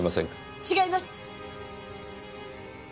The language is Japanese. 違います！